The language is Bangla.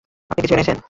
আপনি কিছু এনেছেন।